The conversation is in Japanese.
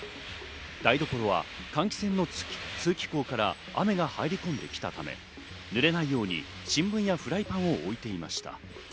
台所は換気扇の通気口から雨が入り込んできたため、濡れないように新聞やフライパンを置いていました。